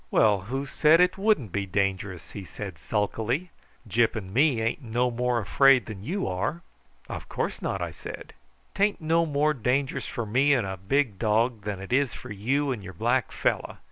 "Well, who said it wouldn't be dangerous?" he said sulkily. "Gyp and me ain't no more afraid than you are." "Of course not," I said. "'Tain't no more dangerous for me and a big dog than it is for you and your black fellow.